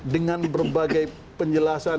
dengan berbagai penjelasan